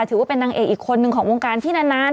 ถือว่าเป็นนางเอกอีกคนนึงของวงการที่นาน